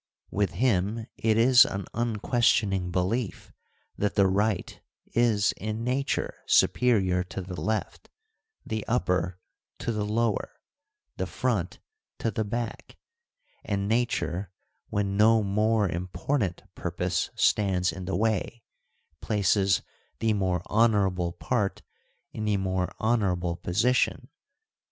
With him it is an unquestioning belief that the right is, in nature, superior to the left, the upper to the lower, the front to the back ; and nature, when no more important purpose stands in the way, places the more honourable part in the more honourable position.